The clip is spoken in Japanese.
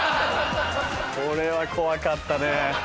これは怖かったね。